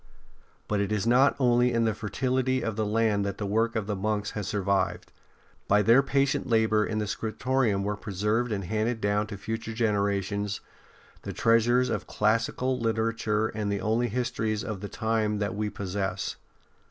But it is not only in the fertility of the land that the work of the monks has survived. By their patient labour in the scriptorium were preserved and handed down to future generations the treasures of classical literature and the only histories of the time that v/e possess.